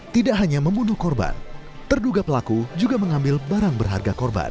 tidak hanya membunuh korban terduga pelaku juga mengambil barang berharga korban